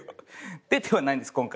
出てはないんです今回。